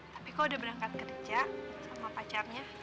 tapi kok udah berangkat kerja sama pacarnya